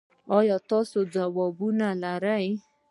ایا تاسو ځوابونه لرئ؟